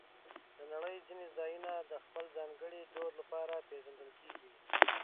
د نړۍ ځینې ځایونه د خپل ځانګړي دود لپاره پېژندل کېږي.